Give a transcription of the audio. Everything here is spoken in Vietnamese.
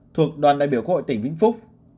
thuộc đoàn đại biểu quốc hội tỉnh vĩnh phúc